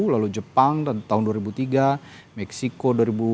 lalu jepang pada tahun dua ribu tiga meksiko dua ribu enam